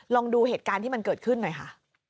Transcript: ลองดูเหตุการณ์ที่มันเกิดขึ้นหน่อยค่ะ